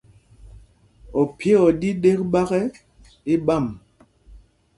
Ophyé o ɗí ɗēk ɓák ɛ, í ɓǎm.